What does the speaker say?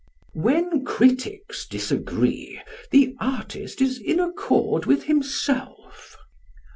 _When critics disagree the artist is in accord with himself.